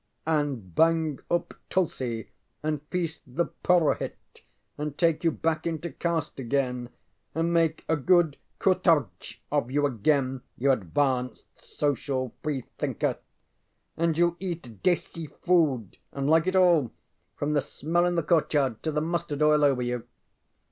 ŌĆØ ŌĆ£And bang up tulsi and feast the purohit, and take you back into caste again and make a good khuttrj of you again, you advanced social Free thinker. And youŌĆÖll eat desi food, and like it all, from the smell in the courtyard to the mustard oil over you.